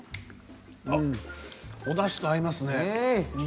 おだしと合いますね。